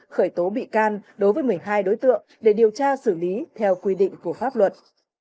khởi tố bị can đối với một mươi hai đối tượng để điều tra xử lý theo quy định của pháp luật